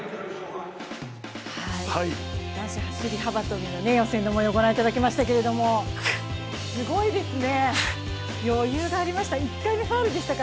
男子走幅跳の予選のもようご覧いただきましたけどすごいですね、余裕がありました。